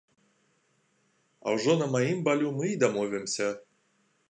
А ўжо на маім балю мы і дамовімся.